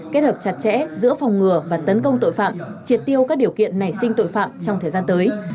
kết hợp chặt chẽ giữa phòng ngừa và tấn công tội phạm triệt tiêu các điều kiện nảy sinh tội phạm trong thời gian tới